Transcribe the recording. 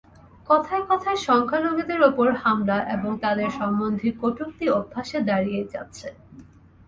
কথায় কথায় সংখ্যালঘুদের ওপর হামলা এবং তাঁদের সম্বন্ধে কটূক্তি অভ্যাসে দাঁড়িয়ে যাচ্ছে।